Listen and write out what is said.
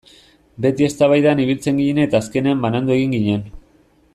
Beti eztabaidan ibiltzen ginen eta azkenean banandu egin ginen.